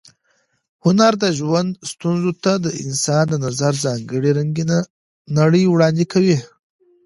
هنر د ژوند ستونزو ته د انسان د نظر ځانګړې رنګینه نړۍ وړاندې کوي.